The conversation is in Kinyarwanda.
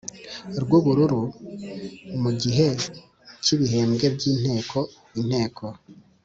Ry’ubururu. Mu gihe cy’ibihembwe by’inteko, Inteko